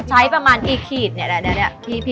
ใช้ประมาณกี่ขีดเนี่ย